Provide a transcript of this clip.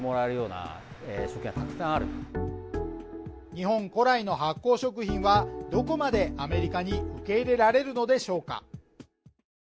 日本古来の発酵食品はどこまでアメリカに受け入れられるのでしょうか？